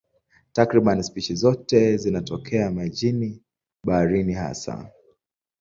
Takriban spishi zote zinatokea majini, baharini hasa.